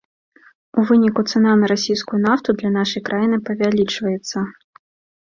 У выніку цана на расійскую нафту для нашай краіны павялічваецца.